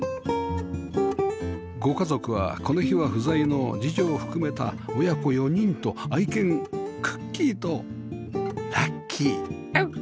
ご家族はこの日は不在の次女を含めた親子４人と愛犬クッキーとラッキー